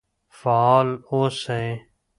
فعال اوسئ.